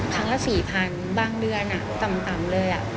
ครั้งละ๔๐๐๐บางเดือนต่ำเลย